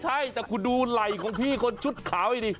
ใช่แต่คุณดูไหล่ของพี่คนชุดขาวให้ดิ